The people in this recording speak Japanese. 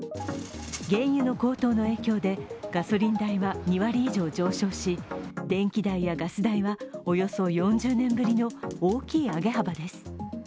原油の高騰の影響でガソリン代は２割以上、上昇し電気代やガス代はおよそ４０年ぶりの大きい上げ幅です。